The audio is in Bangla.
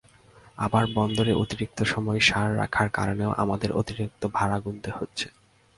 আবার বন্দরে অতিরিক্ত সময় সার রাখার কারণেও আমাদের অতিরিক্ত ভাড়া গুনতে হচ্ছে।